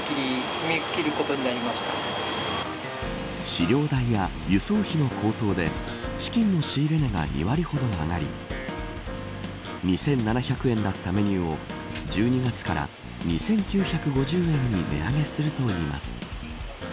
飼料代や輸送費の高騰でチキンの仕入れ値が２割ほど上がり２７００円だったメニューを１２月から２９５０円に値上げするといいます。